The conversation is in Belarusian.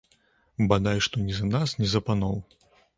Бадай што ні за нас, ні за паноў.